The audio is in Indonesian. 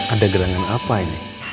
ada gelangan apa ini